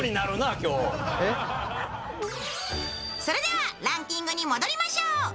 それではランキングに戻りましょう。